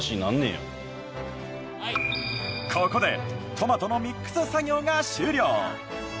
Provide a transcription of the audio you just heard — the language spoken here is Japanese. ここでトマトのミックス作業が終了。